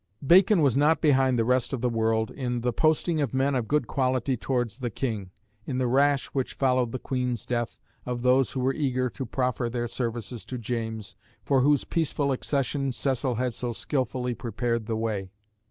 Bacon was not behind the rest of the world in "the posting of men of good quality towards the King," in the rash which followed the Queen's death, of those who were eager to proffer their services to James, for whose peaceful accession Cecil had so skilfully prepared the way.